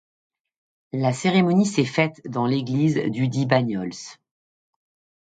La cérémonie s’est faite dans l’église dudit Bagnols.